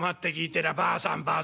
てりゃばあさんばあさん。